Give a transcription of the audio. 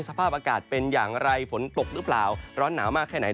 สภาพอากาศเป็นอย่างไรฝนตกหรือเปล่าร้อนหนาวมากแค่ไหน